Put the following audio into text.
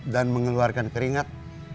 dan mengeluarkan keringat